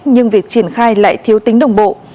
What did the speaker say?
nhưng việc triển khai lại thiếu tính đồng bộ